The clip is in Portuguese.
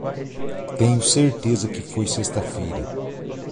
Tenho certeza que foi sexta-feira.